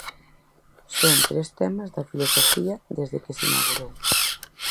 Son tres temas da filosofía desde que se inaugurou.